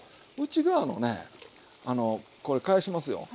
内側のねこれ返しますよ。